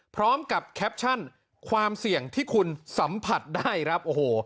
พร้อมกับแคปชั่นความเสี่ยงที่คุณสัมผัสได้ครับโอ้โห